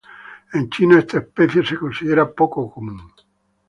En China esta especie se considera poco común.